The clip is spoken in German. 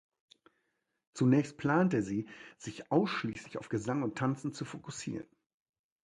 Zunächst plante sie sich ausschließlich auf Gesang und Tanzen zu fokussieren.